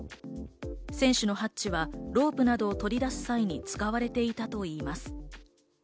船首のハッチはロープなどを取り出す際に使われていたといいます。